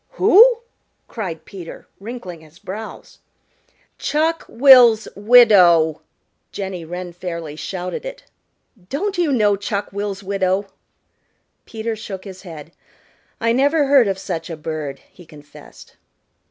"Who?" cried Peter, wrinkling his brows. "Chuck will's widow," Jenny Wren fairly shouted it. "Don't you know Chuck will's widow?" Peter shook his head. "I never heard of such a bird," he confessed.